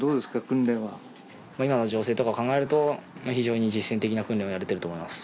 訓練は今の情勢とかを考えると非常に実戦的な訓練をやれてると思います